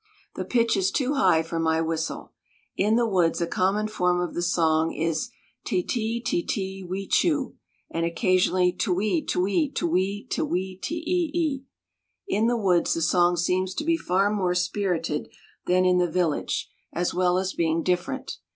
The pitch is too high for my whistle. In the woods a common form of the song is, "te te te te wee chu;" and occasionally, "to wee to wee to wee tee e e e." In the woods the song seems to be far more spirited than in the village, as well as being different.